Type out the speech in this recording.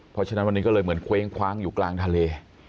เพราะฉะนั้นวันนี้ก็เลยเหมือนเคว้งคว้างอยู่กลางทะเล